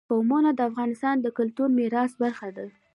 قومونه د افغانستان د کلتوري میراث برخه ده.